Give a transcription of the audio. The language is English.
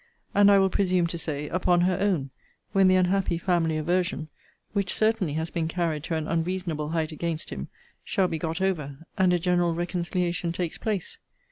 and, I will presume to say, upon her own, when the unhappy family aversion (which certainly has been carried to an unreasonable height against him) shall be got over, and a general reconciliation takes place!